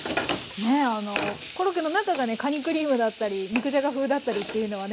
ねあのコロッケの中がねかにクリームだったり肉じゃが風だったりっていうのはね